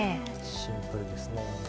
シンプルですね。